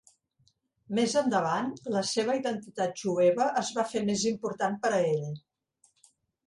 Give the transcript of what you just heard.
Més endavant, la seva identitat jueva es va fer més important per a ell.